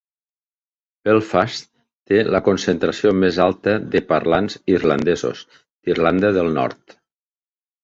Belfast té la concentració més alta de parlants irlandesos d'Irlanda del Nord.